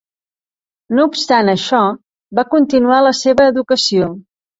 No obstant això, va continuar la seva educació.